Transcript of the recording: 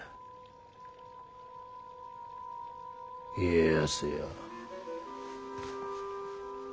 家康よ。